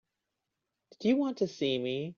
Did you want to see me?